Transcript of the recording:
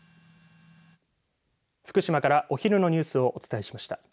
福島からお昼のニュースをお伝えしました。